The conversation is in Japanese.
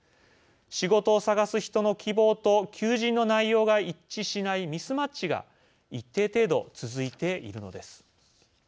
仕事を探す人の希望と求人の内容が一致しないミスマッチが一定程度、続いているのです。